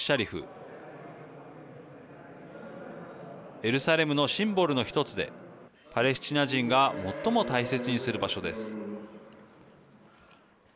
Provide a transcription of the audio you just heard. エルサレムのシンボルの１つでパレスチナ人が最も大切にする場所です。